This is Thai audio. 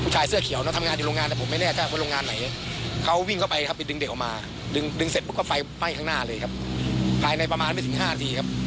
เด็กก็คงจะต้องเสียชีวิตทำไหม้